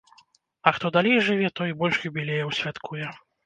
А хто далей жыве, той і больш юбілеяў святкуе.